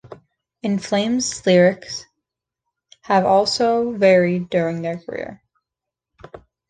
In Flames' lyrics have also varied during their career.